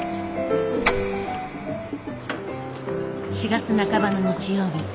４月半ばの日曜日。